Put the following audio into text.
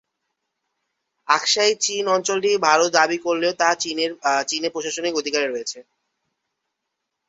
আকসাই চিন অঞ্চলটি ভারত দাবী করলেও তা চীনের প্রশাসনিক অধিকারে রয়েছে।